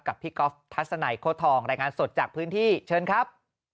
พี่ก๊อฟทัศนัยโค้ทองรายงานสดจากพื้นที่เชิญครับ